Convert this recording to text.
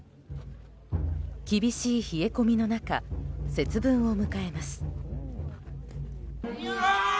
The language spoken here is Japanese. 厳しい冷え込みの中節分を迎えます。